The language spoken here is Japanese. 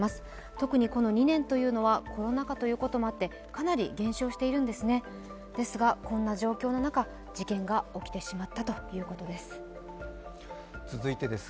特にこの２年というのは、コロナ禍ということもあってかなり減少しているんですが、こんな状況の中事件が起きてしまったということです。